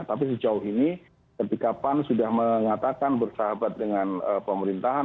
tapi sejauh ini ketika pan sudah mengatakan bersahabat dengan pemerintahan